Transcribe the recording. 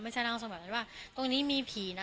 ไม่ใช่ร่างทรงแบบนั้นว่าตรงนี้มีผีนะ